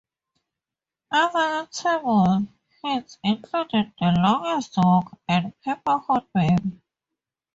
Other notable hits included "The Longest Walk" and "Pepper Hot Baby".